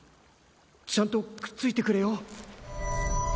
ちゃんとくっついてくれよ。